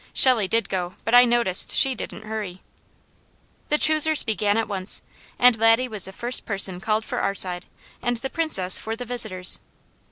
Shelley did go, but I noticed she didn't hurry. The choosers began at once, and Laddie was the first person called for our side, and the Princess for the visitors'.